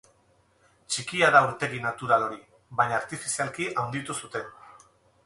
Txikia da urtegi natural hori, baina artifizialki handitu zuten.